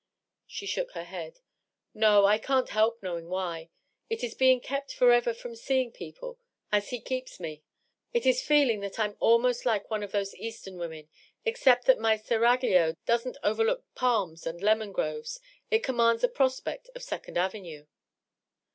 She shook her head. " No. I can't help knowing why. It is being kept forever from seeing people, as he keeps me ! It is feeling that I'm almost like one of fliose Eastern women, except that my seraglio doesn't overlook palms and lemon groves ; it commands a prospect of Second Avenue."